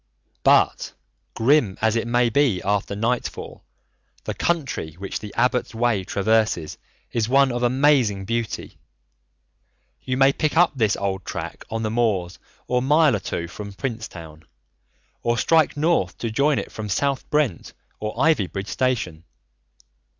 But grim as it may be after nightfall, the country which the Abbot's Way traverses is one of amazing beauty. You may pick up this old track on the moors a mile or two from Princetown, or strike north to join it from South Brent or Ivybridge station.